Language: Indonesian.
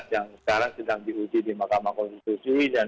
yang sekarang sedang diuji di mahkamah konstitusi